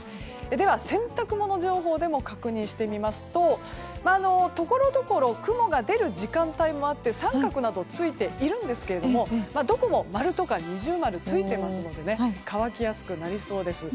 では、洗濯物情報でも確認してみますとところどころ雲が出る時間帯もあって三角などついているんですがどこも丸とか二重丸ついていますので乾きやすくなりそうです。